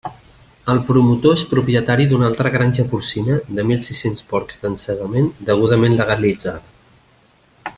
El promotor és propietari d'una altra granja porcina de mil sis-cents porcs d'encebament degudament legalitzada.